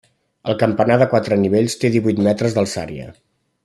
El campanar de quatre nivells té divuit metres d'alçària.